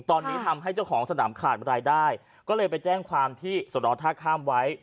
ตอนนี้ทำให้เจ้าของสนามขาดรายได้ก็เลยไปแจ้งความที่สนท่าข้ามไว้